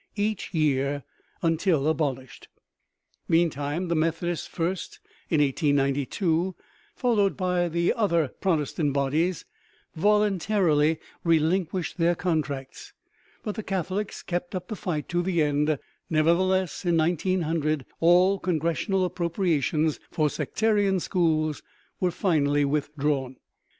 each year until abolished. Meantime, the Methodists first in 1892, followed by all the other Protestant bodies, voluntarily relinquished their contracts, but the Catholics kept up the fight to the end; nevertheless, in 1900, all Congressional appropriations for sectarian schools were finally withdrawn.